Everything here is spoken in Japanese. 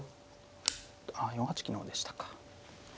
あ４八金の方でしたか。